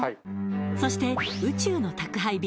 そして宇宙の宅配便